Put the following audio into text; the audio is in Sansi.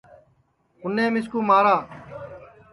اُنیں مِسکُو مارا